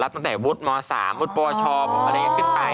ตั้งแต่วุฒิม๓วุฒิปวชอะไรอย่างนี้ขึ้นไป